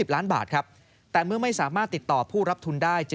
ล้านบาทครับแต่เมื่อไม่สามารถติดต่อผู้รับทุนได้